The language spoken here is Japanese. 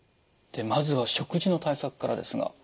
でまずは食事の対策からですが。